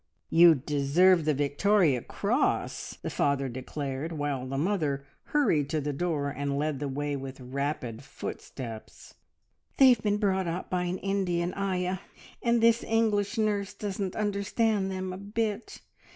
"You'd deserve the Victoria Cross!" the father declared, while the mother hurried to the door, and led the way with rapid footsteps. "They have been brought up by an Indian ayah, and this English nurse doesn't understand them a bit.